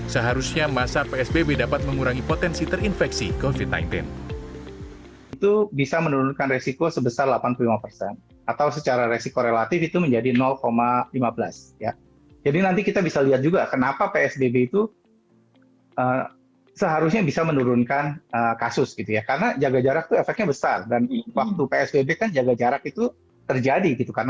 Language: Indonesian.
seharusnya masa psbb dapat mengurangi potensi terinfeksi covid sembilan belas